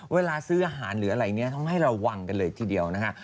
เวลาซื้ออาหารหรืออะไรเนี่ยต้องให้ระวังกันเลยทีเดียวนะคะ